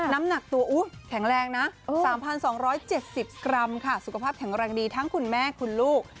น้ำหนักตัวแข็งแรงนะ๓๒๗๐กรัมค่ะสุขภาพแข็งแรงดีทั้งคุณแม่คุณลูก